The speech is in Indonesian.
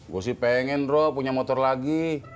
gue sih pengen roh punya motor lagi